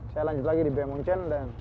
saya lanjut lagi di bem munchen